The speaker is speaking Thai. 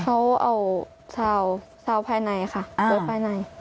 เขาเอาชาวภายในค่ะโดยภายใน